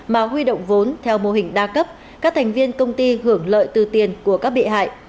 mà huy động vốn theo mô hình đa cấp các thành viên công ty hưởng lợi từ tiền của các bị hại